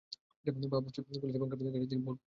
বাবুর্চি, পুলিশ এবং ক্যাপ্টেনদের কাছে তিনি বহুল পরিচিত।